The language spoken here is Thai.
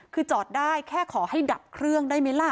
คือจอดได้แค่ขอให้ดับเครื่องได้ไหมล่ะ